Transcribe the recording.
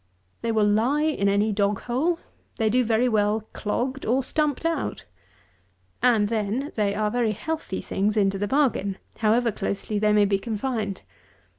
They will lie in any dog hole. They do very well clogged, or stumped out. And, then, they are very healthy things into the bargain, however closely they may be confined.